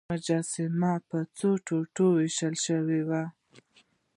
مجسمه په څو ټوټو ویشل شوې وه.